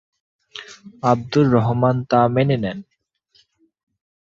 আবদুর রহমান তা মেনে নেন।